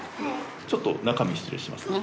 ちょっと中身失礼しますね。